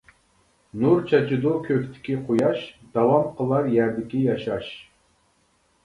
نۇر چاچىدۇ كۆكتىكى قۇياش، داۋام قىلار يەردىكى ياشاش.